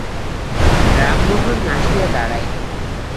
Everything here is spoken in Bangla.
রামমোহন আসিয়া দাঁড়াইল।